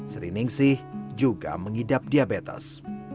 sri ningsih juga mengidap diabetes